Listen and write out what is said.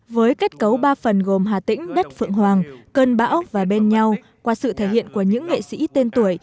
với kết cấu ba phần gồm hà tĩnh đất phượng hoàng cơn bão và bên nhau qua sự thể hiện của những nghệ sĩ tên tuổi